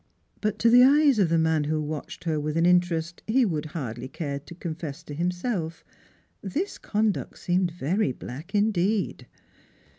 But to the eyes of the man who watched her with an interest he would have hardly cared to confess to himself, this conduct seemed very black indeed.